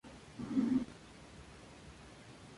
Anthony parte para Estados Unidos con su hijo, Anthony Jr.